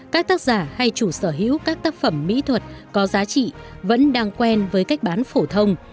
các tác giả hay chủ sở hữu các tác phẩm mỹ thuật có giá trị vẫn đang quen với cách bán phổ thông